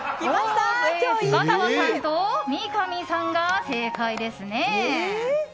深澤さんと三上さんが正解ですね。